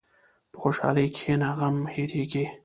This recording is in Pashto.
په خوشحالۍ کښېنه، غم هېرېږي.